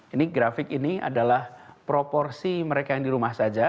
ini grafik ini adalah proporsi mereka yang di rumah saja